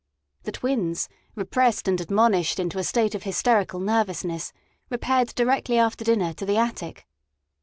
The twins, repressed and admonished into a state of hysterical nervousness, repaired directly after dinner to the attic.